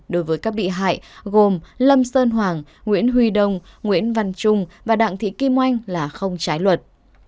đối với các bị hại gồm lâm sơn hoàng nguyễn huy đông nguyễn văn trung và đặng thị kim oanh là không trái luật